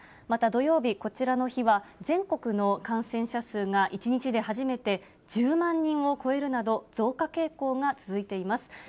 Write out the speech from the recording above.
また土曜日、こちらの日は全国の感染者数が１日で初めて１０万人を超えるなど、増加傾向が続いています。